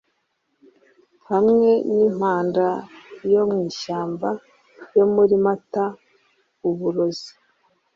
hamwe nimpanda yo mwishyamba yo muri Mata uburozi